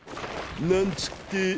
なんちって。